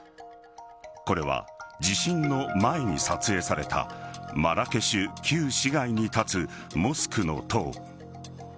これは地震の前に撮影されたマラケシュ旧市街に建つモスクの塔。